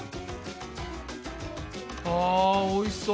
あおいしそう！